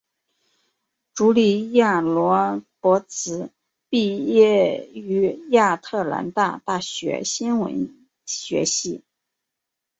茱莉亚罗勃兹毕业于亚特兰大大学新闻学系。